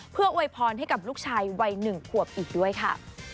เพื่ออวยพรให้กับลูกชายวัย๑ขวบอีกด้วยค่ะ